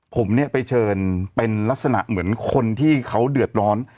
ผมเนี่ยไปเชิญเป็นลักษณะเหมือนคนที่เขาเดือดร้อน